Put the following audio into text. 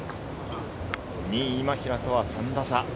２位・今平とは３打差。